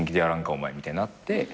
お前みたいになって。